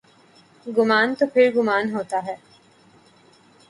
گمان تو پھرگمان ہوتا ہے۔